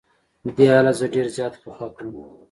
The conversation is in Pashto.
دې حالت زه ډېر زیات خفه کړم.